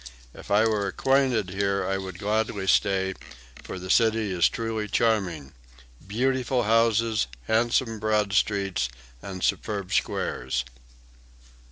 If I were acquainted here I would gladly stay, for the city is truly charming beautiful houses, handsome broad streets, and superb squares.")